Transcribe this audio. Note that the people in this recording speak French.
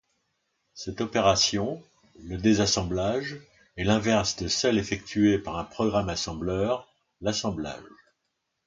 Cette opération, le désassemblage, est l'inverse de celle effectuée par un programme assembleur, l'assemblage.